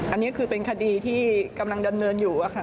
อันนี้คือเป็นคดีที่กำลังดำเนินอยู่ค่ะ